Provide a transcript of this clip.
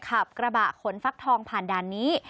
ขับกระบะขนฟักทองผ่านด่านนี้